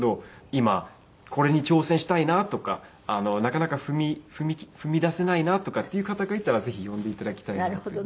今これに挑戦したいなとかなかなか踏み出せないなとかっていう方がいたらぜひ読んで頂きたいなっていう。